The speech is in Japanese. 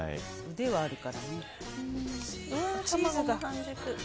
腕はあるからね。